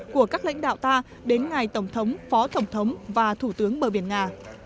của các lãnh đạo ta đến ngày tổng thống phó tổng thống và thủ tướng bờ biển nga